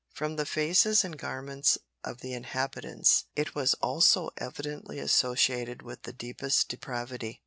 From the faces and garments of the inhabitants it was also evidently associated with the deepest depravity.